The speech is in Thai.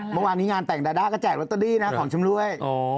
เมื่อวานนี้งานแต่งดาด้าก็แจกลอตเตอรี่นะของชำรวย